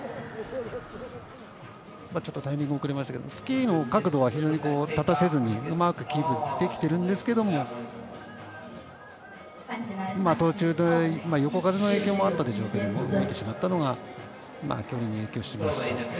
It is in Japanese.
ちょっとタイミング遅れましたがスキーの角度は非常に立たせずにうまくキープできているんですけど途中で、横風の影響もあったでしょうけども動いてしまったのが距離に影響しました。